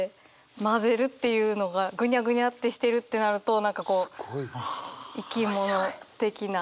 混ぜるっていうのがぐにゃぐにゃってしてるってなると何かこう生き物的な。